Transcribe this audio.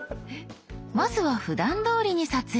まずはふだんどおりに撮影。